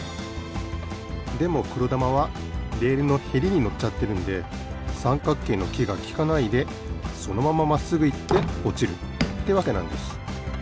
でもくろだまはレールのヘリにのっちゃってるんでさんかっけいのきがきかないでそのまままっすぐいっておちるってわけなんです。